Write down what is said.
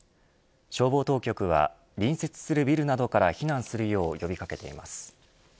消防当局は隣接するビルなどから避難するよう呼び掛けています。